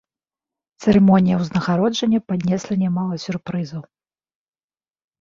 Цырымонія ўзнагароджання паднесла нямала сюрпрызаў.